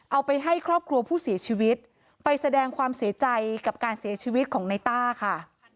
เอาไปให้ครอบครัวผู้เสียชีวิตไปแสดงความเสียใจกับการเสียชีวิตของในต้าค่ะ